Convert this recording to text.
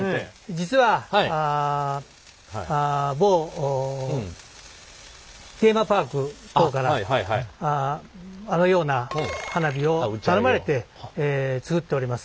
実は某テーマパーク等からあのような花火を頼まれて作っております。